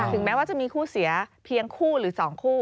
แม้ว่าจะมีคู่เสียเพียงคู่หรือ๒คู่